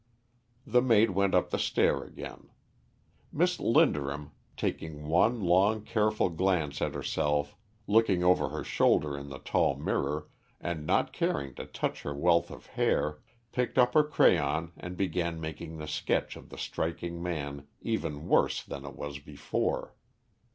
The maid went up the stair again. Miss Linderham, taking one long, careful glance at herself, looking over her shoulder in the tall mirror, and not caring to touch her wealth of hair, picked up her crayon and began making the sketch of the striking man even worse than it was before.